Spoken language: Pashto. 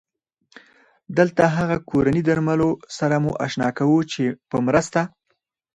دلته هغه کورني درملو سره مو اشنا کوو چې په مرسته